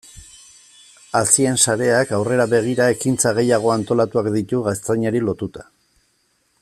Hazien sareak aurrera begira ekintza gehiago antolatuak ditu gaztainari lotuta.